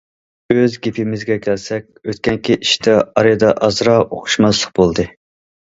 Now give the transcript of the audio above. ئۆز گېپىمىزگە كەلسەك، ئۆتكەنكى ئىشتا ئارىدا ئازراق ئۇقۇشماسلىق بولدى.